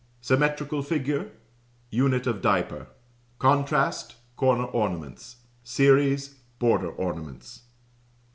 ] Symmetrical figure Unit of diaper. Contrast Corner ornaments. Series Border ornaments.